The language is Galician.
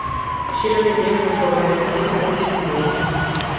Xiro de guión na folga de recollida do lixo en Lugo.